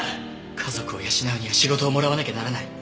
家族を養うには仕事をもらわなきゃならない。